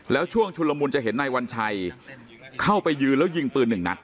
แล้วช่วงชุลมุนจะเห็นนายวัญชัยเข้าไปยืนแล้วยิงปืนหนึ่งนัด